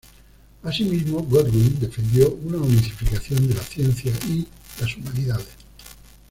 Así mismo, Goodwin defendió una unificación de la ciencia y las humanidades.